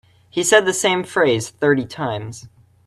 He said the same phrase thirty times.